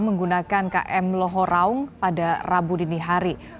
menggunakan km lohoraung pada rabu dinihari